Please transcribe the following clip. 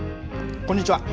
こんにちは。